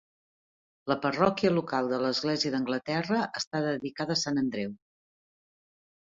La parròquia local de l'Església d'Anglaterra està dedicada a Sant Andreu.